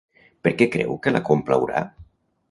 Per què creu que la complaurà?